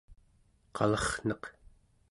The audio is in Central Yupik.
qalarrneq